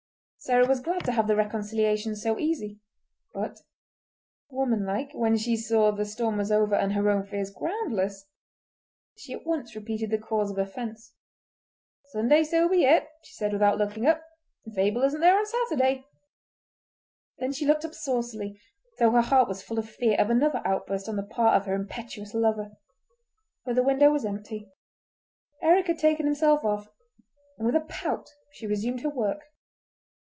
Sarah was glad to have the reconciliation so easy; but, womanlike, when she saw the storm was over and her own fears groundless, she at once repeated the cause of offence. "Sunday so be it," she said without looking up, "if Abel isn't there on Saturday!" Then she looked up saucily, though her heart was full of fear of another outburst on the part of her impetuous lover. But the window was empty; Eric had taken himself off, and with a pout she resumed her work.